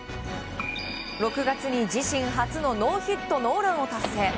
６月に自身初のノーヒットノーランを達成。